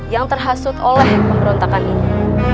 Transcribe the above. yang terhasut oleh pemberontakan ini